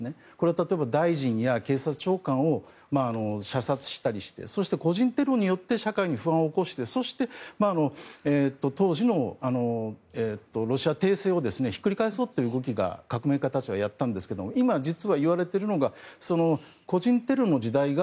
例えば大臣や警察長官を射殺したりしてそして個人テロによって社会に不安を起こしてそして、当時のロシア帝政をひっくり返そうということを革命家たちはやったんですけど今、実はいわれているのが個人テロの時代が